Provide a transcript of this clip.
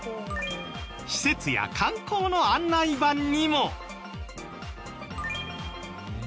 施設や観光の案内板にも。